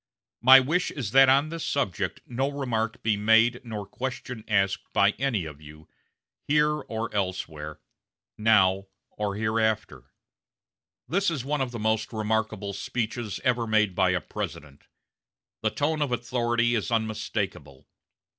My wish is that on this subject no remark be made nor question asked by any of you, here or elsewhere, now or hereafter." This is one of the most remarkable speeches ever made by a President. The tone of authority is unmistakable.